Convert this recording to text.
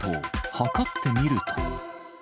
計ってみると。